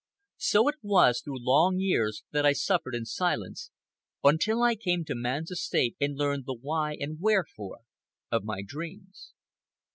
So it was, through long years, that I suffered in silence, until I came to man's estate and learned the why and wherefore of my dreams.